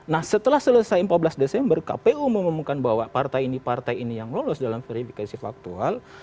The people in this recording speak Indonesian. nah setelah selesai empat belas desember kpu mengumumkan bahwa partai ini partai ini yang lolos dalam verifikasi faktual